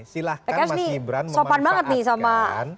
silahkan mas gibran memanfaatkan